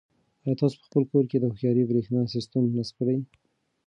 آیا تاسو په خپل کور کې د هوښیارې برېښنا سیسټم نصب کړی؟